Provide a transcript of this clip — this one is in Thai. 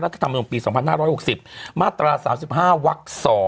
ธรรมนุมปี๒๕๖๐มาตรา๓๕วัก๒